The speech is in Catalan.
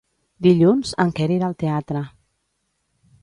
Dilluns en Quer irà al teatre.